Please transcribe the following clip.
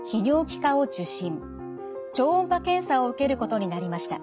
超音波検査を受けることになりました。